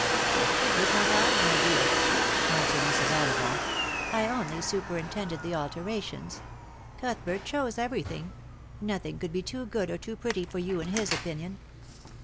" It was not I, my dear," answered Mrs. Ollivant ;" I only superintended the alterations. Cuthbert chose everything — nothing could be too good or too pretty for you in his opinion."